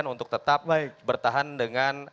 untuk tetap bertahan dengan